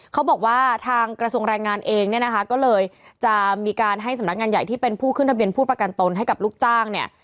เขาบอกว่าทางกระทรวงแรงงานเองเนี่ยนะคะก็เลยจะมีการให้สำนักงานใหญ่ที่เป็นผู้ขึ้นทะเบียนผู้ประกันตนให้กับลูกจ้างเนี่ย